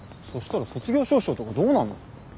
そしたら卒業証書とかどうなんの？